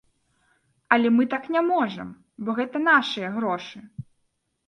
Але мы так не можам, бо гэта нашы грошы.